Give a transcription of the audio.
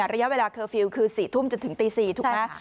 ระยะเวลาเคอร์ฟิลล์คือ๔ทุ่มจนถึงตี๔ถูกไหม